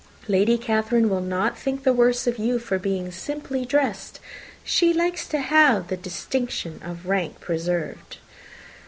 Lady Catherine will not think the worse of you for being simply dressed. She likes to have the distinction of rank preserved."